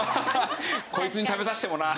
こいつに食べさせてもなあって。